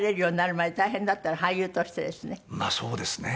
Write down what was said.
まあそうですね。